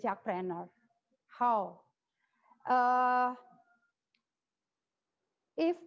jack brenner bagaimana